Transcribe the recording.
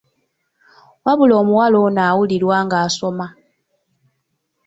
Wabula omuwala ono awulirwa ng'asoma.